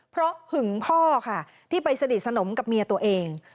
เพราะหึงพ่อค่ะที่ไปสนิทสนมกับเมียตัวเอง